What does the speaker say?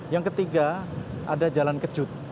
yang ketiga ada jalan kecut